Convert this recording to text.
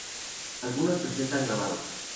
Algunos presentan grabados.